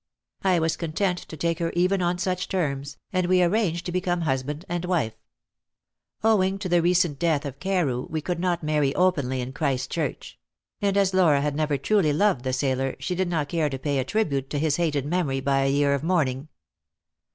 I was content to take her even on such terms, and we arranged to become husband and wife. Owing to the recent death of Carew, we could not marry openly in Christchurch; and as Laura had never truly loved the sailor, she did not care to pay a tribute to his hated memory by a year of mourning.